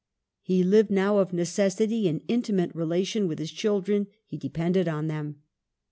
He lived now of necessity in intimate relation with his children ; he depended on them.